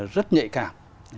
rất nhạy cảm